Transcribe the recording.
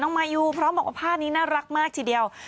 น้องมายูพร้อมผ้านนี้น่ารักมากทีเดียว